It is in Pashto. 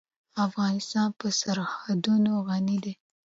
افغانستان په سرحدونه غني دی.